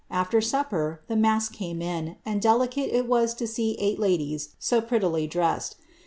After supper, the mask came in, and delicate it was to see eigfat ladies so prettily dressed.